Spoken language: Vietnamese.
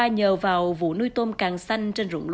nhờ vào vụ nuôi tôm càng xanh